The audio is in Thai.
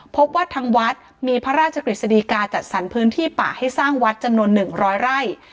พบว่าทางวัดมีพระราชกฤษฎีกาจัดสรรพื้นที่ป่าให้สร้างวัดจำนวน๑๐๐ไร่